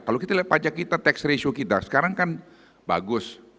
kalau kita lihat pajak kita tax ratio kita sekarang kan bagus